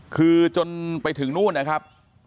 คือจนไปถึงนู่นนะครับ